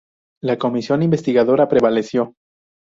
La Comisión Investigadora prevaleció.